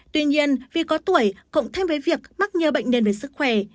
tuy nhiên vì có tuổi cộng thêm với việc mắc nhớ bệnh nên về sức khỏe